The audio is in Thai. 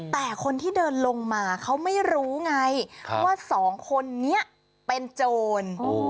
แต่คนที่เดินลงมาเขาไม่รู้ไงว่าสองคนนี้เป็นโจร